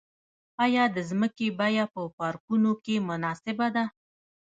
آیا د ځمکې بیه په پارکونو کې مناسبه ده؟